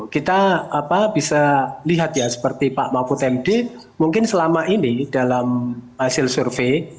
kita bisa lihat ya seperti pak mahfud md mungkin selama ini dalam hasil survei